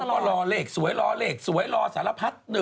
แต่เราก็รอเลขสวยรอเลขสวยรอสารพัฒน์